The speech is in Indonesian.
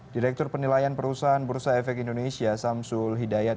direktur penilaian perusahaan bursa efek indonesia samsul hidayat